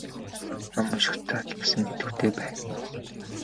Ном уншихдаа ч гэсэн идэвхтэй бай.